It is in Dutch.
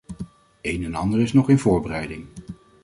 Een en ander is nog in voorbereiding.